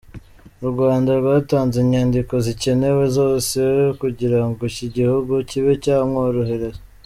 U Rwanda rwatanze inyandiko zikenewe zose kugira ngo iki gihugu kibe cyamwohereza.